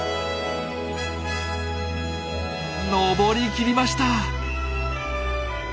登り切りました。